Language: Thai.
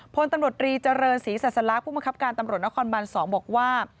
พลตำรวจรีเจริญศรีสัสลักษ์ผู้บังคับการตำรวจนครบัน๒บอกว่า